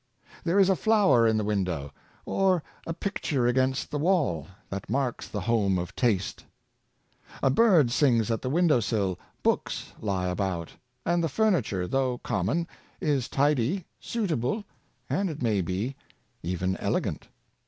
There is a flower in the window, or a picture against the wall, that marks the home of taste. A bird sings at the window sill, books lie about, and the furniture, though common, is tidy, suitable, and, it may be, even elegant.